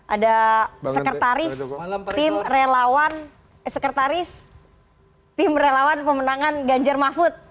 ada sekretaris tim relawan pemenangan ganjar mahfud